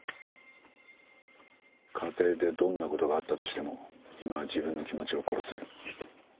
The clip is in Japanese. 家庭でどんなことがあったとしても今は自分の気持ちを殺せ。